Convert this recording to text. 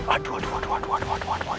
aduh aduh aduh aduh